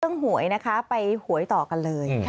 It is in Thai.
เรื่องหวยนะคะไปหวยต่อกันเลย